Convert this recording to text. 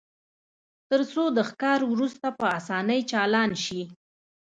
ترڅو د ښکار وروسته په اسانۍ چالان شي